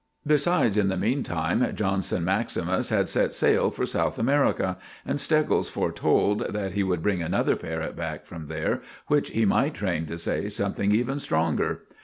Besides, in the meantime, Johnson maximus had set sail for South America, and Steggles foretold that he would bring another parrot back from there which he might train to say something even stronger.